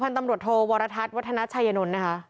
พันธุ์ตำรวจโทรวรทัศน์วัฒนชายนล